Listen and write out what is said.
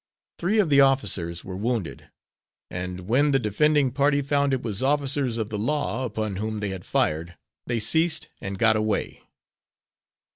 Three of the officers were wounded, and when the defending party found it was officers of the law upon whom they had fired, they ceased and got away.